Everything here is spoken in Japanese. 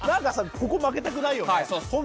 ここ負けたくないよね。